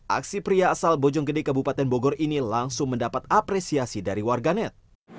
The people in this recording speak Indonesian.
aksi pria asal bojonggede kabupaten bogor ini langsung mendapat apresiasi dari warganet